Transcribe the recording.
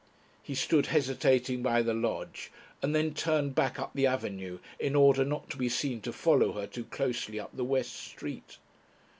He stood hesitating by the lodge, and then turned back up the avenue in order not to be seen to follow her too closely up the West Street.